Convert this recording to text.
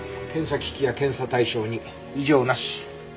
検査機器や検査対象に異常なし。